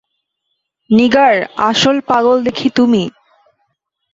নিগার, আসল পাগল দেখি তুমি।